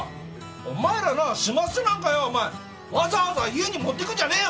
お前らな始末書なんかよお前わざわざ家に持ってくるんじゃねえよ！